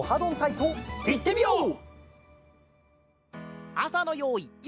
いってみよう！